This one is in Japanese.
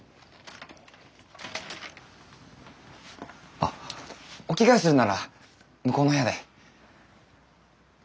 あっお着替えするなら向こうの部屋で。